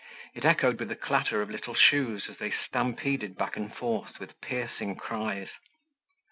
It echoed with the clatter of little shoes as they stampeded back and forth with piercing cries.